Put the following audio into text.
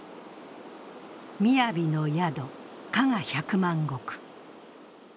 みやびの宿加賀百万石。